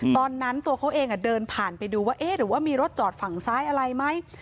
ตอนนั้นตัวเขาเองเดินผ่านไปดูว่าเอ๊ะหรือว่ามีรถจอดฝั่งซ้ายอะไรไหม